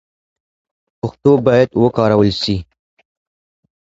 پښتو باید وکارول سي.